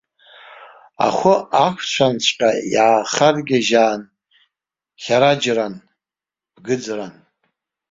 Ахәы ақәцәанҵәҟьа иаахаргьежьаан хьараџьран, бгыӡран.